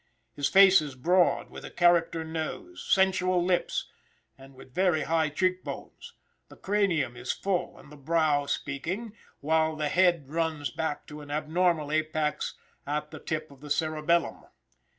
His face is broad, with a character nose, sensual lips, and very high cheek bones; the cranium is full and the brow speaking, while the head runs back to an abnormal apex at the tip of the cerebellum.